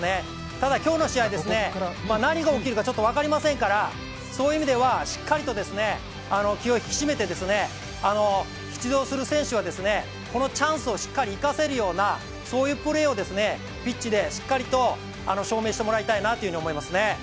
ただ今日の試合、何が起きるかちょっと分かりませんからそういう意味では、しっかりと気を引き締めて出場する選手は、チャンスをしっかり生かせるようなそういうプレーをピッチでしっかりと証明してもらいたいなと思いますね。